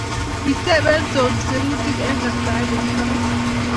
Kitoben Tom serutik eng kastaet ne mi barak